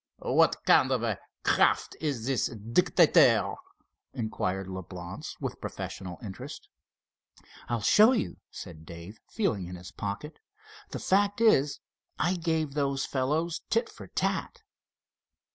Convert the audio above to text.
"What kind of a craft is this Dictator?" inquired Leblance, with professional interest. "I'll show you," said Dave, feeling in his pocket. "The fact is, I gave those fellows tit for tat."